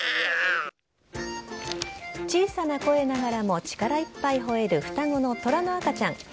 小さな声ながらも力いっぱいほえる双子のトラの赤ちゃん。